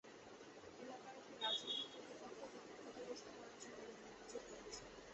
এলাকার একটি রাজনৈতিক প্রতিপক্ষ তাঁকে ক্ষতিগ্রস্ত করার জন্য এমন অভিযোগ করেছে।